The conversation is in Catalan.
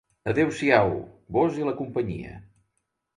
Adeu-siau, vós i la companyia.